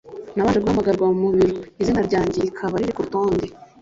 nabanje guhamagarwa mu biro, izina ryanjye rikaba riri ku rutonde